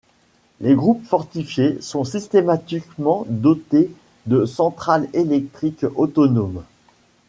Les groupes fortifiés sont systématiquement dotés de centrales électriques autonomes.